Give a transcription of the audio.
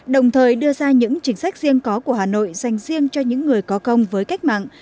đồng thời đưa ra những chính sách riêng có của hà nội dành riêng cho những người có công với cách mạng